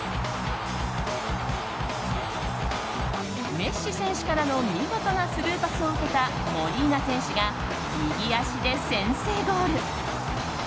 メッシ選手からの見事なスルーパスを受けたモリーナ選手が右足で先制ゴール！